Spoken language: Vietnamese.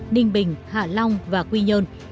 ninh bình hạ long và quy nhơn